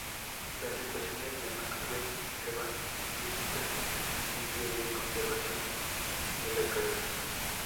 Las ecuaciones de Maxwell llevan implícitas el principio de conservación de la carga.